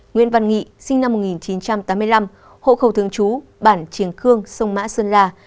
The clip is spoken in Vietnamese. nguyên văn nghị sinh năm một nghìn chín trăm tám mươi năm hộ khẩu thương chú bản triển khương sông mã sơn la